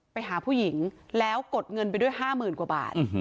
ไปหาผู้หญิงแล้วกดเงินไปด้วย๕๐๐๐กว่าบาท